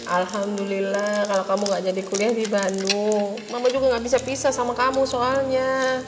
alhamdulillah kalau kamu gak jadi kuliah di bandung mama juga nggak bisa pisah sama kamu soalnya